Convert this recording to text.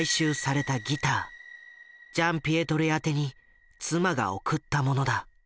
ジャンピエトリ宛てに妻が送ったものだ。